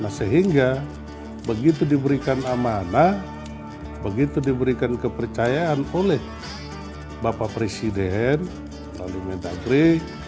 nah sehingga begitu diberikan amanah begitu diberikan kepercayaan oleh bapak presiden melalui mendagri